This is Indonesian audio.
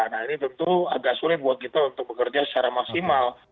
nah ini tentu agak sulit buat kita untuk bekerja secara maksimal